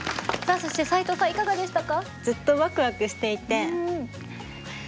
そして彩さんいかがでしたか？